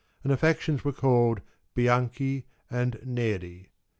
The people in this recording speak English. And the factions were called Bianchi and Neri.